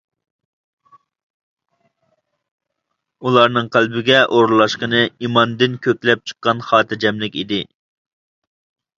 ئۇلارنىڭ قەلبىگە ئورۇنلاشقىنى ئىماندىن كۆكلەپ چىققان خاتىرجەملىك ئىدى.